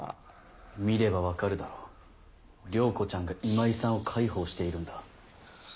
見れば分かるだろ涼子ちゃんが今井さんを介抱しているんだ。